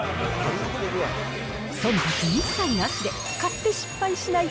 そんたく一切なしで買って失敗しない！